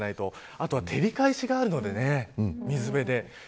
あとは、照り返しがあるので水辺で。